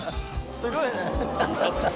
すごいね